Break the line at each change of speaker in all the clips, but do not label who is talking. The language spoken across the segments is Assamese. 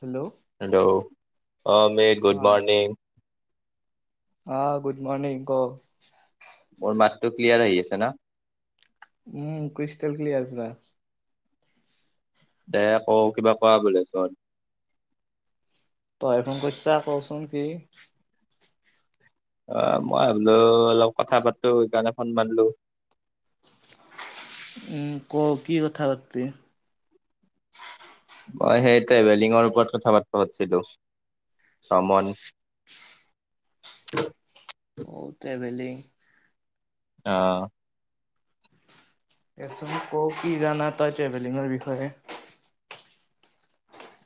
হেল্ল'
হেল্ল' অমি
অ
গুড মৰ্ণং
অ গুড মৰ্নিং ক
মোৰ মাতটো ক্লিয়াৰ আহি আছে না
উম ক্ৰিষ্টেল ক্লিয়াৰছিলা
দে কৌ কিবা কোৱা বোলে চোন
তই ফোন কৰিছা কৌচোন কি
অ মই ভাবিলো অলপ কথা পাতো সেইকাৰণে ফোন মাৰলো [inaudible]
উম ক কি কথা পাতিব
মই সেই ট্ৰেভেলিঙৰ ওপৰত কথা পাত ব খুজিছিলোঁ ভ্ৰমণ
অ ট্ৰেভেলিং
আহ
এচোন ক কি জানা তই ট্ৰেভেলিঙৰ বিষয়ে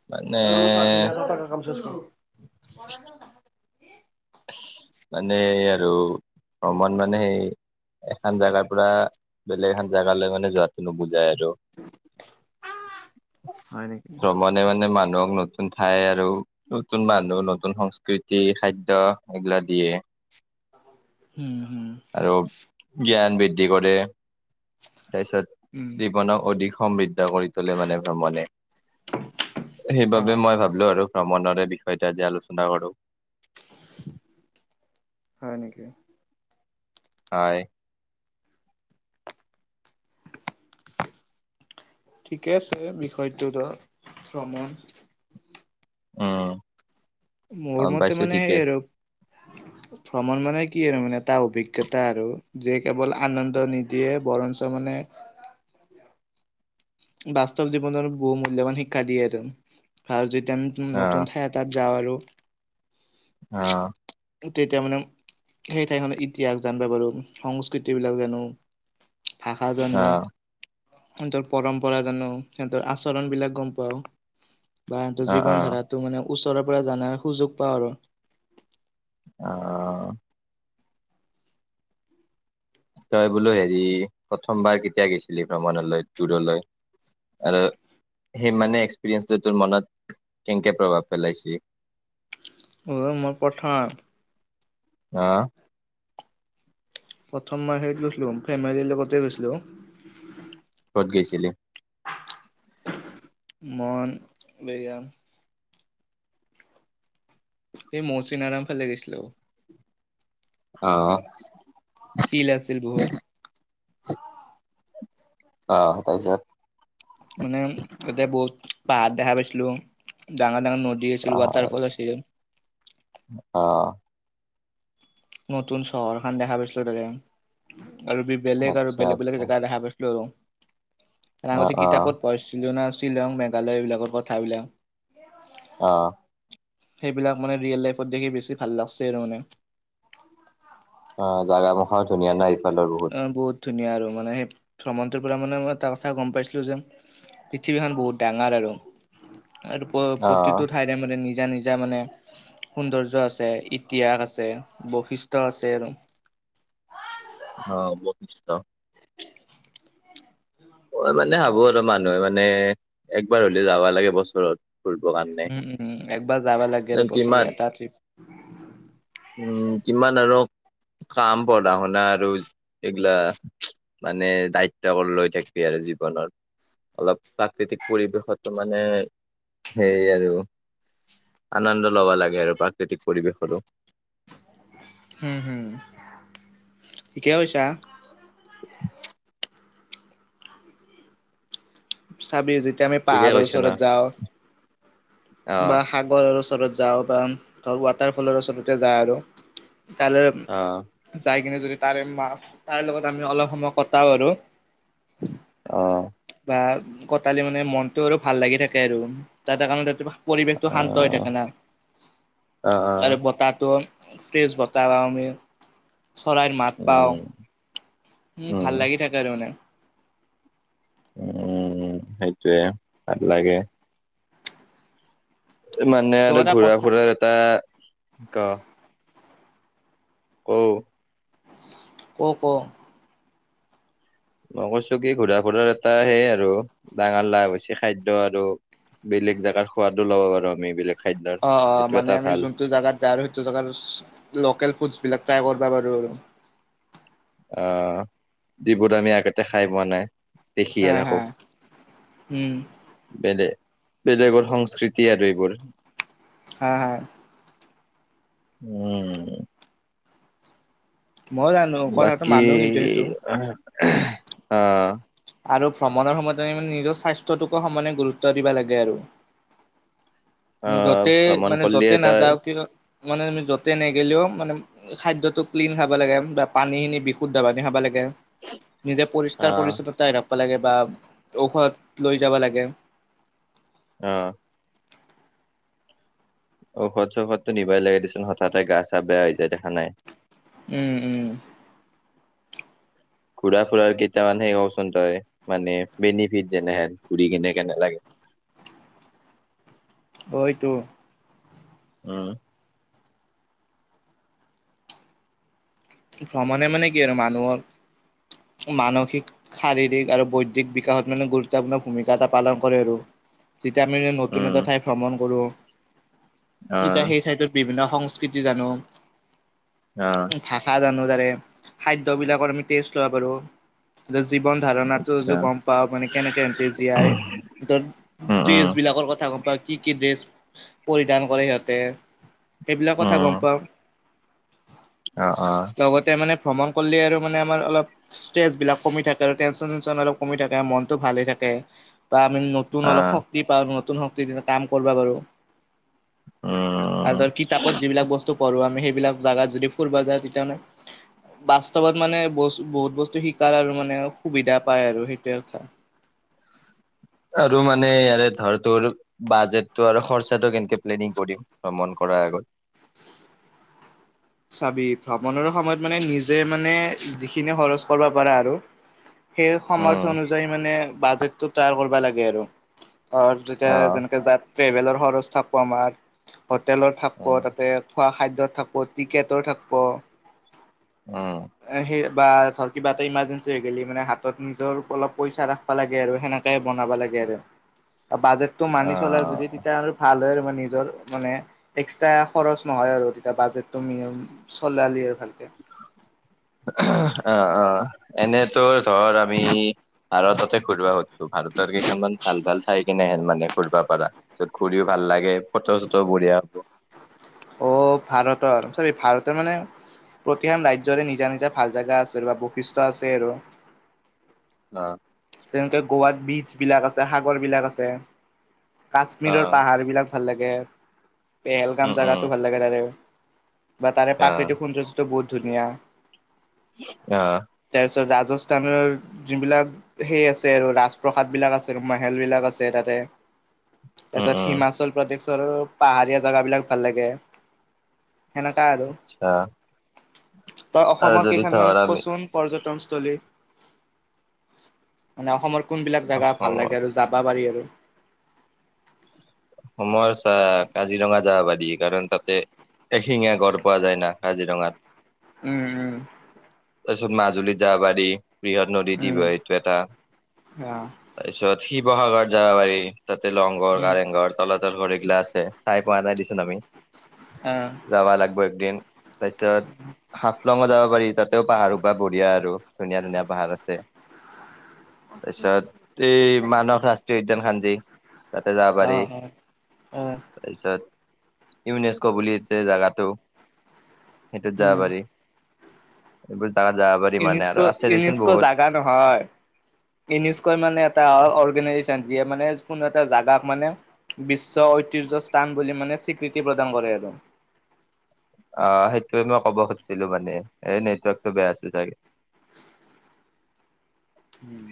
মানে
মই চাৰচ আ তাক কাম চ কৰো [unintelligible]
মানে আৰু ভ্ৰমণ মানে সেই এখন জাগৰ পৰা, বেলেগ এখন জেগালৈ মানে যোৱাতো নুবুজায় আৰু।
হয় নেকি
ভ্ৰমণে মানে ম ক নতুন ঠাই আৰু নতুন মানুহ, নতুন সংস্কৃতি খাদ্য দ এইগিলা দিয়ে।
হম, হম।
আৰু জ্ঞান বৃদ্ধি কৰে, তাৰপিছত
উম
জীৱনক অধিক সমৃদ্ধা কৰি তোলে মানে ভ্ৰমণে,
অ
সেইবাবে মই ভাবিলো আৰু ভ্ৰমণৰে বিষয়টো আজি আলোচনা কৰোঁ।
হয় নেকি?
হয়।
ঠিকে আছে বিষয়টো ধ ভ্ৰমণ।
অ',
মোৰ মতে,
পাইছো
মানে
ঠিকে
সেই
আছে
আৰু ভ্ৰমণ মানে কি আৰু মানে এটা অভিজ্ঞতা আৰু। যে কেৱল আনন্দ নিদিয়ে বৰঞ্চ মানে বাস্তৱ জীৱনত বহু মূল্যবান শিক্ষা দিয়ে
অ
টো যাওঁ আৰু
আহ।
তেতিয়া মানে সেই ঠাইখনৰ ইতিহাস জানিবা পাৰো, সংস্কৃতি বিলাক জানো। ভাষা
অ
জানোন্ত পৰম্পৰা জানো, সিহতৰ আচৰণ বিলাক গম পাও বা সিহঁতৰ
অ অ
জীৱন ধাৰাটো মানে ওচৰৰ পৰা জ জনাৰ সুযোগ পাওঁ আৰু
আহ, তই বোলো হেৰি প্ৰথমবাৰ কেতিয়া গৈছিলি ভ্ৰমণলৈ দূৰলৈ? আৰু সেই মানে এক্সপিৰিয়েঞ্চটো তোৰ মনত কেনেকে প্ৰভাৱ পেলাইছে?
উ, মই প্ৰথম
আহ,
প্ৰথম মাহে গৈছিলো ফেমিলিৰ লগতে গৈছিলো।
ক'ত গৈছিলি
মন বিৰিয়ান এই মৌচুনাৰাম ফালে গৈছিলো।
আহ
[inaudible]
অ তাৰ পিছত
মানে তাতে বহুত পাহাৰ দেখা পাইছিলো, ডাঙৰ নদী আছিল, ৱাটাৰফল আছিল।
আহ,
নতুন চহৰ খ দেখা পাইছিলো ত আৰু বেলেগ আৰু
আচ্ছা
বেলেগ বেলেগ
আচ্ছা
জেগা দেখা পাইছিলো। ত
অ
আগতে
অ
কিতাপত পঢ়িছিলো না শ্ৰীিলং, মেঘালয় এইবিলাকৰ কথাবিলাক।
অ'
সেইবিলাক মানে ৰিয়েল লাইফত দেখি বেছি ভাল লাগছে আৰু মানে।
আহ জগা মুখৰ ধুনীয়া নাই ইফালৰ বহুত।
ধুনীয়া আৰু মানে সেই ভ্ৰমণটোৰ পৰা মানে মই এটা কথা গম পাইছিলো যে পৃথিৱীখন বহুত ডাঙৰ আৰু আৰু
অ
প্ৰতিটো ঠাইৰে মানে নিজ নিজা' নিজা মানে সৌন্দৰ্য আছে, ইতিহাস আছে, বৈশিষ্টয় আছে আৰু
অ ব নিছা ম মানে ভাবো আৰু মানুহে মানে একবাৰ হলে যাবা লাগে বছৰত। ফুৰিবৰ কাৰণে
উম', উম একবাৰ যাবা লাগে আৰু বছৰ
কিমান
এটা ট্ৰিপ।
উম' কিমান আৰু কাম পঢ়া শুনা আৰু এইগিলা মানে দায়িত্ব লৈ থাকে। আৰু জীৱনৰত অলপ প্ৰাকৃতিক পৰিৱেশতো মানে সেইয় আৰু আনন্দ ল'ব লাগে। আৰু প্ৰাকৃতিক পৰিৱেশতো
উম' হম কৈছ।
[unintelligible]
চাবি যেতিয়া আমি
ঠিকে
পাহাৰৰ
কৈছো ন
ওচৰত যাওঁ
অ
বা সাগৰৰ ওচৰত য ধৰ ৱাটাৰ ফলৰ ওচৰতে য আৰু
অ
ত কি যদি তাৰে তাৰ লগত আমি অলপ সময় কটাও আৰু
অ'
বা কটালি মানে মনতটো আৰু ভাল লাগি থাকে। আৰু তাটা কাৰণে ত পৰিৱেশটো
অ
শান্ত হৈ থাকে। না
অ অ
আৰু বতাহটো। ফ্ৰেছ বতৱা মই। চৰাইৰ মাত পাও
উম
উম' ভাল লাগি থাকে। আৰু মানে
উম' সেইটোৱে ভাল লাগে। মানে
ত'
আৰু
এটা কথা
ঘূৰা-ফুৰাৰ এটা ক অ'
ক -ক
মই কৈছো। কি ঘূৰা ফুৰাৰ এটা সেই আৰু ডাঙৰ লাভ হৈছে। খাদ্য আৰু বেলেগ জেগাৰ সোৱাদো ল'ব পাৰো আমি এইবেলোক
অ-অ মানে আমি যোনটো জেগাত যায় আৰু সেইটো জেগাৰ লোকেল ফুডছবিলাক। তাই কৰিবা বাৰু-আৰু-
আহ, যিবোৰত আমি আগতে খাই পোৱা নাই। দেখি
হা
আ' নকৌ
হা উম
বেলে বলে এবৰ সংস্কৃতি আৰু এইবোৰ।
হ-হা।
উম'।
ময়ো জানো কথাটো
বাকি
মানো কিন্তু সেইটো
অ'।
আৰু ভ্ৰমণৰ সময়তে নিজৰ স্বাস্থ্যটোকো সমানে গুৰুত্ব দিব লাগে। আৰু
আহ
য'তে
ভ্ৰমণ
মানে
কৰিলে
য'তে
তই
নাযাও ক মানেমি য'তে নেগিলেও মানে। খাদ্যটো ক্লিন খাব লাগে। বা পানীখিনি বিশুদ্ধ পানী খাব লাগে। নিজে পৰিষ্কাৰ
আহ
পৰিচ্ছন্নতাই ৰাখ। লাগে
আহ'। ঔষধ চৌষধটো নিবই লাগে দেচোন হঠাতে গা চা বেয়া হৈ যায় দেখা নাই।
উম- উম
ঘুৰা-ফুৰাৰ কেইটামান সেই কওঁচোন তই মানে বেনিফিট যেনেহেন ঘুৰি কেনে কেনে লাগে। [unintelligible]
হয়টো।
উম,
ভ্ৰমণে মানে কি আৰু মানুহৰ। মানসিক শাৰীৰিক আৰু বৈদিক বিকাশত মানে গুৰুত্বপূৰ্ণ ভূমিকা। এটা পালন কৰে আৰু ভিটামিনে নতুন
উম
এটা ঠাই ভ্ৰমণ কৰোঁ।
আহ
এতিয়া সেই ঠাইেতত বিভিন্ন সংস্কৃতি জানো।
অ'
[unintelligible] জীৱন ধাৰণাটোো
আচ্ছা
গম পাওঁ মানে কেনেকে এহতে জীয়াই। ৰ'
উম
ড্ৰেছ
উম
বিলাকৰ কথা গম পা কি 'কি ড্ৰেছ। পৰিধান কৰে। সিহঁতে সেইবিলাক কথা গম
উম
পাওঁ।
অ অ
লগতে মানে ভ্ৰমণ কৰিলে আৰু মানে আমাৰ অলপ ষ্ট্ৰেছ বিলক কমি আৰু টেনচন চেনচন অলপ কমি থাকে মনতটো ভালে থাকে বা আমি নতুন
অ
অলপ শক্তি পাওঁ নতুন শক্তি কাম কৰিবা পাৰো। আৰু
উম
ধৰ কিতাপত যিবিলাক বস্তু পঢ়ো আমি সেইবিলাক জাগাত যদি ফুৰিব যাও তেতিয়াহলে বাস্তৱত মানে বহুত বস্তু শিকাৰ আৰু মানে সুবিধা পায় আৰু সেইটোয়ে কথা।
আৰু মানে ইয়াৰে ধৰ তোৰ বাজেটটো আৰু খৰচাটো কেনেকে প্লেনিং কৰিম ভ্ৰমণ কৰ কৰা আগত।
চাবি ভ্ৰমণৰো সময়ত মানে নিজে মানে যিখিনি খৰচ কৰিব পাৰা আৰু সেই সমাৰ্থ
উম
অনুযায়ী মানে বাজেটটো তৈয়াৰ কৰিব লাগে আৰু ঘৰত যেতিয়া
আহ
যেনেকে যাত ট্ৰেভেলৰ খৰচ থাকিব আমাৰ হোটেলৰ থাকিব
উম
তাতে খোৱা খাদ্যত থাকিব, টিকেটৰ থাকিব।
উম
আহ সেই। বা ধৰ কিবা এটা ইমাৰ্জেঞ্চি হৈ গেলে মানে হাতত নিজৰ অলপ পইচা ৰাখিব লাগে আৰু সেনেকে বনাব লাগে বাজেটটো মানি চলা
আহ
যদি তেতিয়া আৰু ভাল হয় নিজৰ মানে এক্স্ৰ খৰচ নহয় আৰু তেতিয়া বাজেট চলালি আৰু ভাল
আহ', আহ', এনেতোৰ ধৰ আমি ভাৰততে ঘুৰিব খুজছো ভাৰতৰ কইটামান ভাল ভাল ঠাই কিনেহেন মানে ফুৰিব পাৰা, য'ত ঘুৰিও ভাল লাগে ফটো চোটো বঢ়িয়া হ'ব।
অ ভাৰতৰ চাৰি, ভাৰতৰ মানে প্ৰতিখন ৰাজ্যৰে নিজা নিজা ভাল জেগা আছে আৰু বা বৈশিষ্ট্য় আছে আৰু।
অ
তেনেকে গোৱাত বীজবিলাক আছে, সাগৰবিলাক আছে, কাশ্মীৰৰ পাহাৰ বিলাক ভাল লাগে,
উম
পেহেলগাম
উম
জোগাতটো ভাল লাগে তাৰে, বা তাৰে
অ
প্ৰাকৃতিক সৌন্দৰ্যটো বহুত ধুনীয়া।
আহ',
তাৰপিছত ৰাজস্থানৰ যিবিলাক সেই আছে আৰু ৰাজপ্ৰসাদ বিলাক আছে মাহেল বিলাক আছে তাতে, তাৰ
উম
পিছত
উম
হিমাচল প্ৰদেশৰ পাহাৰীয়া জেগা বিলাক ভাল লাগে। এনেকুয়া আৰু।
আচ্ছা
তই
আৰু
অসমৰ
যদি
কেইখনমান
ধৰ আমি
কচোন পৰ্যটনস্থলী। মানে অসমৰ কোনবিলাক জেগা
অসমৰ
ভাল লাগে আৰু যাবা পাৰি আৰু।
এ কাজিৰঙা যাব পাৰি, কাৰণ তাতে এশিঙীয়া গঁড় পোৱা যায় না কাজিৰঙাত।
উম
তাৰপিত মাজুলী যাবাৰী বৃহৎ নদী দ্বীপ
উম উম
এইটো এটা
আহ
তাৰপিছত, শিৱসাগৰত যাব পাৰি তাতে লগ
উম
কাৰেংঘৰ তলা তল ঘৰ এইগিলা আছে চাই পোৱা নাই দিছোন আমি।
আহ
যাব লাগিব এদিন তাৰ পিছত হাফলঙ যাব পাৰি তাতেও পাহাৰ বা বঢ়িয়া আৰু ধুনীয়া ধুনীয়া পাহাৰ আছে। তাৰপিছত এই মানাহ ৰাষ্ট্ৰীয় উদ্যানখান যি তাতে যাব
অ
পাৰি
অ অ
তাৰপিছত, ইউনেস্কো বুলি যে জেগাটো সেইটোত যাব
উম
পাৰি, [unintelligible] পাৰি মানে আৰু
ইউনেস্কো,
আছে দেচোন
ইউনেস্কো
বহুত
জাগা নহয়। ইউনেস্কো মানে এটা অৰ্গেনাইজেচন যিয়ে মানে কোনো এটা জেগাক মানে বিশ্ব ঐতিহ্য স্থান বুলি মানে স্বীকৃতি প্ৰদান কৰে আৰু।
[inaudible] আহ সেইটোৱে মই ক'ব খুজিছিলো মানে এই নেটৱৰ্কতটো বেয়া আছিল চাগে। [unintelligible]
উম',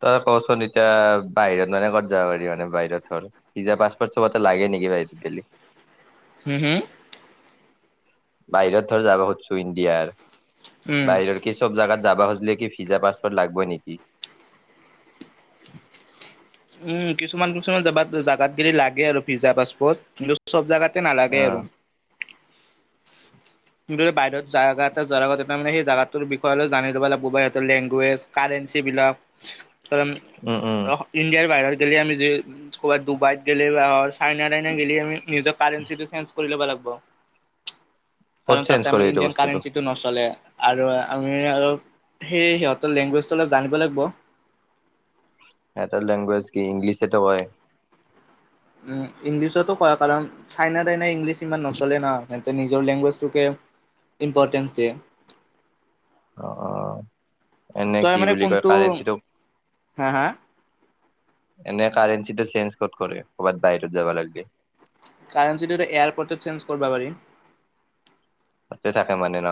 তই কচোন এতিয়া বাহিৰত মানে ক'ত যাব পাৰি মানে বাহিৰত হল, পিজ্জা পাছপৰ্ট চবতে লাগে নেকি বাহিৰত? [unintelligible]
হম', হম',
বাহিৰত ধৰ যাব খুজছো ইণ্ডিয়াৰ
উম।
বাহিৰৰ কি চব জাগাত যাব খুজলি কি ভিজ্জা পাছপৰ্ট লাগব নেকি
উম কিছুমান কিছুমান জাত জোগাত লাগে আৰু ভিজা পাছপৰ্ট কিন্তু চব জাগাত তে
অ
নালাগে আৰু তই বাহিৰত জায়গাত তাৰ মানে সেই জাগাটোৰ বিষয়ে অলপ জানি ল'ব লাগব সিহৰ লেংগুৱেজ কাৰেঞ্চি বিলাক কাৰ
উম উম
ইণ্ডিয়াৰ ভাহিৰত গেলে আমি কবা ডুবাইত গেলে বা [unintelligible]
ক'ত
কাৰণ
চেঞ্জ
তাতে
কৰে
আমাৰ
এইটো
ইণ্ডিয়ান
বস্তুটো
কাৰেনছিটো নচষ্টলে আৰু আমি অলপ সেই সিহঁতৰ লেংগুৱেজটো অলপ জানিব লাগিব
এটাৰ লেংগুৱেজ কি ইংলিছ এটো হয়
উম ইংলিছতো কয় কাৰণ চাইনা টাইনা ইংলিছ ইমান নচলে ন নিজৰ লেংগুৱেজটোকে ইম্পৰ্টেন্ঞ্চ দিয়ে
অ অ এনেই
তই
কি
মানে
বুলি কয়
কোনটো
কাৰেঞ্চিটো
হা হা
[inaudible] এনে কাৰেঞ্চিটো চেঞ্জ কত কৰে কৰ'ৰবাত বাহিৰত যাব লাগে
কাৰঞ্চিটো এয়াৰপৰ্ট চেঞ্জ কৰবা পাৰি
তাতে থাকে মানে ন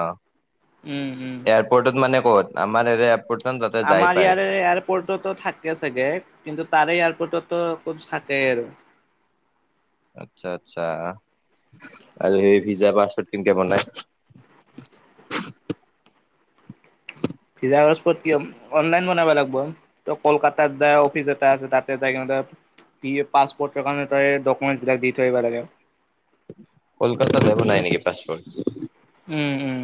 উম উম
এয়াৰপৰ্টত মানে ক'ত আমাৰ এয়াৰপৰ্ট ন তাতে যাই
আমাৰ
পাই
ইয়াৰে এয়াৰপৰ্টতো থাকে চাগে কিন্তু তাৰে এয়াৰপৰ্টত ত ক'ত থাকেই আৰু
আচ্ছা আচ্ছা আৰু সেই ভিজা পাছবত কেনেকে বনাই [unintelligible]
ভিজা পাছবত কিয়ম অনলাইন বনাব লাগিব ত কলকাত যাই অফিচ এটা আছে তাতে যাই কে পাছপৰ্ কাৰণে ত ডকুমেন্ট বিলাক দি থোয় আহিব লাগে
কলকাত যাব নাই নেকি পছপৰ্ট
উম উম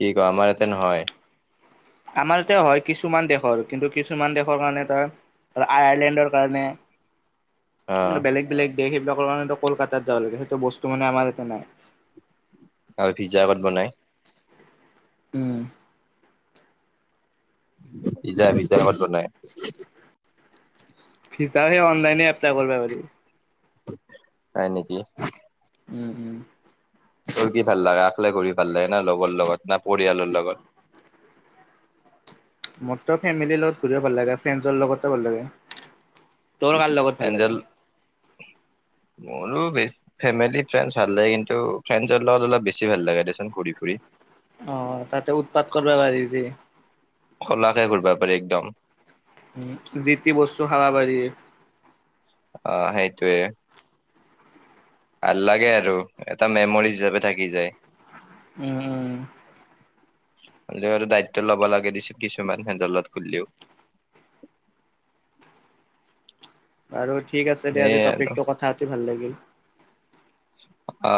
কি কয় আমাৰ ইয়াতে নহয়
আমাৰ এতিয়া হয় কিছুমান দেশৰ কিন্তু কিছুমান দেশৰ কাৰণে এ তাৰ কাৰ আয়াৰলেণ্ডৰ
অ
কাৰণে বেলেগ বেলেগ দেশ সেইবিলাকৰ কাৰানো কলকাতাত যাব লাগে সেইটো বস্তু মানে আমাৰ ইয়াতে নাই
আৰু ভিজ্জাত বনাই
উম
ভিজা ভিজা কত বনাই
ভিজা সেই অনলাইনে এপ্লাই কৰবা পাৰি
হয় নেকি
উম উম
তোৰ কি ভাল লাগে আলে কৰি ভাল লাগে না লগৰ লগত না পৰিয়ালৰ লগত
মোৰ তো ফেমিলিৰ লগত ঘূৰিব ভাল লাগে ফ্ৰেণ্ডছৰ লগত ভাল লাগে তোৰ কাৰ লগত ভাল
এঞ্জেল
লাগে
[unintelligible] মোৰো ফেমেলি ফেৰেনছ ভাল লাগে কিন্তু ফ্ৰেছৰ লগত অলপ বেছি ভাল লাগে দেন ঘূৰি ফুৰি
অ তাতে উৎপাত কৰ পাৰি যে
খোলাকে ঘূৰবা পাৰি একদম
উম জি টি বস্তু খাৱা পাৰি
অ সেইতোৱে ভাল লাগে আৰু এটা মেমৰি হিচাপে থাকি যায়
উম উম
হলেও আৰু দায়িত্ব ল'ব লাগে দিছো কিছুমান হেণ্ডলত খুলিও [unintelligible]
আৰু ঠিক আছে দে আজি টপিকতটো কথা পাতি ভাল লাগিল
অ।